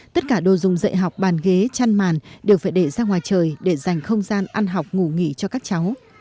tất cả đồ dùng dạy học bàn ghế chăn màn đều phải để ra ngoài trời để dành không gian ăn học ngủ nghỉ cho các cháu